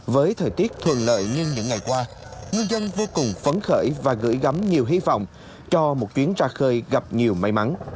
với thời tiết thuận lợi như những ngày qua ngư dân vô cùng phấn khởi và gửi gắm nhiều hy vọng cho một chuyến ra khơi gặp nhiều may mắn